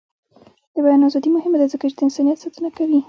د بیان ازادي مهمه ده ځکه چې د انسانیت ساتنه کوي.